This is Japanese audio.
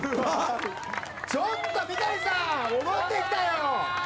ちょっと三上さん戻ってきたよ。